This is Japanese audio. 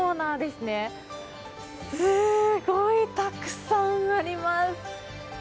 すごいたくさんあります。